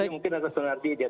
mungkin itu seorang dokter